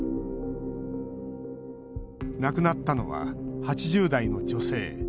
亡くなったのは８０代の女性。